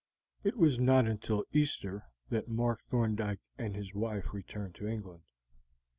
It was not until Easter that Mark Thorndyke and his wife returned to England.